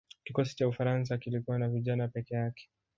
kikosi cha ufaransa kilikuwa na vijana peke yake